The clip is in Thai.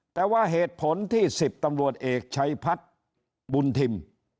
แต่ว่าเหตุผลที่๑๐ตำรวจเอกชัยพัฒน์บุญทิม